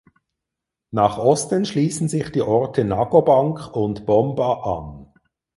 Nach Osten schließen sich die Orte Nago Bank und Bomba an.